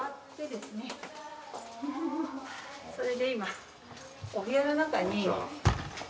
それで今お部屋の中に。